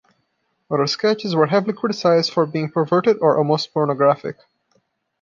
Other sketches were heavily criticised for being perverted or almost pornographic.